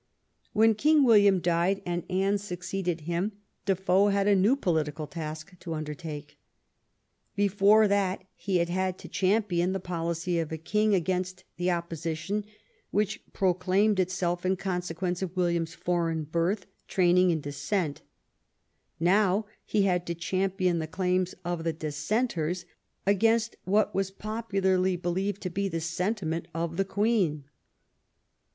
When King William died and Anne succeeded him, Defoe had a new political task to undertake. Before that he had had to champion the policy of a king against the opposition which proclaimed itself in consequence of William's foreign birth, training, and descent; now he had to champion the claims of the Dissenters against what was popularly believed to be the sentiment of the Queen.